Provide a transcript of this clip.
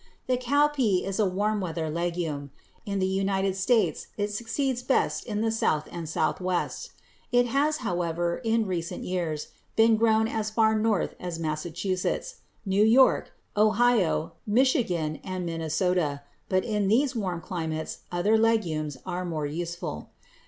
The cowpea is a warm weather legume. In the United States it succeeds best in the south and southwest. It has, however, in recent years been grown as far north as Massachusetts, New York, Ohio, Michigan, and Minnesota, but in these cold climates other legumes are more useful.